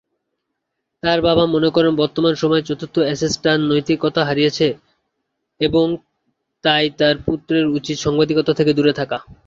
তাঁর বাবা মনে করেন বর্তমান সময়ে চতুর্থ এস্টেট তার নৈতিকতা হারিয়েছে এবং তাই তাঁর পুত্রের উচিত সাংবাদিকতা থেকে দূরে থাকা।